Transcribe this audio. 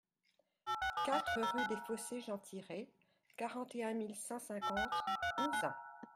quatre rue des Fossés Jean Tirés, quarante et un mille cent cinquante Onzain